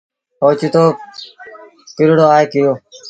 اوچتو ڪُرڙو آئي ڪريو۔